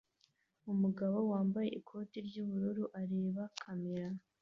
Umugabo wambaye ikoti ry'ubururu areba kamera